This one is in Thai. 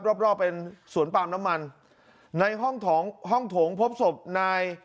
รอบรอบเป็นสวนปาล์มน้ำมันในห้องถงห้องโถงพบศพนาย